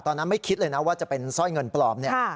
ไม่คิดเลยนะว่าจะเป็นสร้อยเงินปลอมเนี่ย